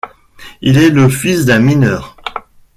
Il est le fils d'un mineur.